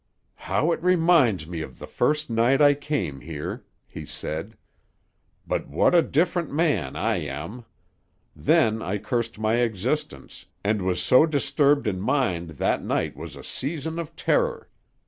"How it reminds me of the first night I came here," he said. "But what a different man I am! Then I cursed my existence, and was so disturbed in mind that night was a season of terror.